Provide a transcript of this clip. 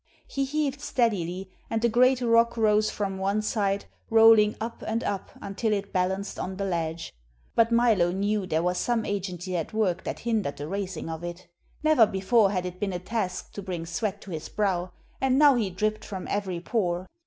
He heaved steadily, and the great rock rose from one side, rolling up and up until it balanced on the ledge; but Milo knew there was some agency at work that hindered the raising of it; never before had it been a task to bring sweat to his brow, and now he dripped from every pore.